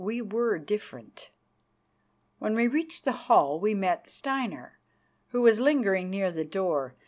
We were different. When we reached the hall we met Steinar, who was lingering near the door.